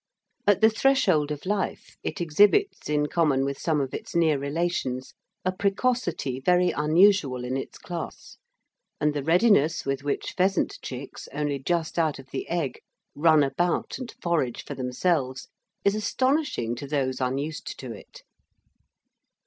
At the threshold of life, it exhibits, in common with some of its near relations, a precocity very unusual in its class; and the readiness with which pheasant chicks, only just out of the egg, run about and forage for themselves, is astonishing to those unused to it.